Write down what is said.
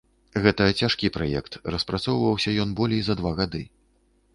Гэта цяжкі праект, распрацоўваўся ён болей за два гады.